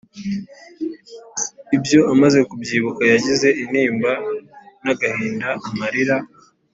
Ibyo amaze kubyibuka yagize intimba n’agahinda amarira